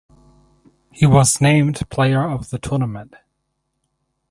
He was named player of the tournament.